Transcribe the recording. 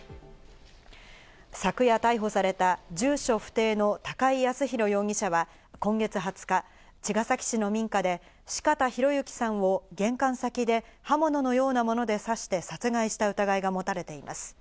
昨夜逮捕された住所不定の高井靖弘容疑者は、今月２０日、茅ヶ崎市の民家で四方洋行さんを玄関先で刃物のようなもので刺して、殺害した疑いが持たれています。